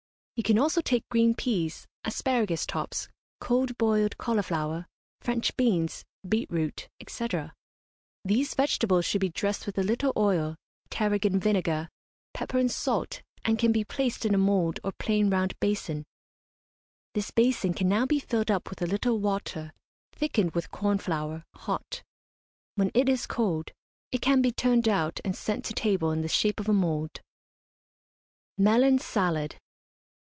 You can also take green peas, asparagus tops, cold boiled cauliflower, French beans, beet root, &c. These vegetables should be dressed with a little oil, tarragon vinegar, pepper and salt, and can be placed in a mould or plain round basin. This basin can now be filled up with a little water thickened with corn flour, hot. When it is cold, it can be turned out and sent to table in the shape of a mould. MELON SALAD.